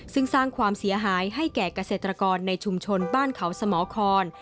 ซึ่งสร้างความเสียหายให้แก่เกษตรกรในชุมชนบ้านเขาสมคร